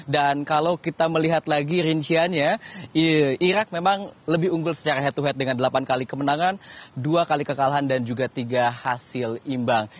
dan kalau kita melihat lagi rinciannya irak memang lebih unggul secara head to head dengan delapan kali kemenangan dua kali kekalahan dan juga tiga hasil imbang